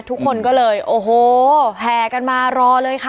ทุกคนก็เลยโอ้โหแห่กันมารอเลยค่ะ